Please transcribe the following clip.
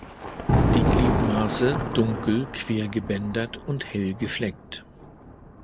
Die Gliedmaße dunkel quergebändert und hell gefleckt.